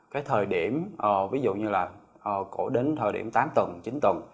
cái thời điểm ví dụ như là đến thời điểm tám tuần chín tuần